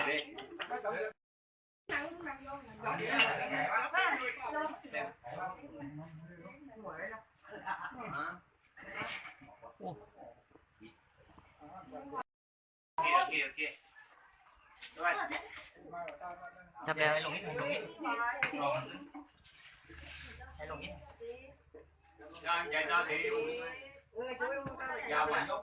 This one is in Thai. โทษนะคุณอาจารย์ฟังให้ปัญหาไปค่ะ